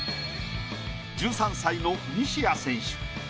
１３歳の西矢選手